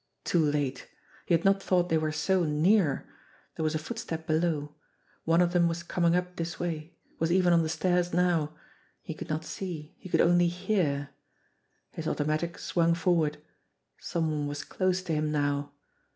Too late! He had not thought they were so near. There was a footstep below. One of them was coming up this way was even on the stairs now. He could not see, he could only hear. His automatic swung forward. Some one was close to him now.